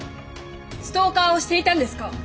ストーカーをしていたんですか？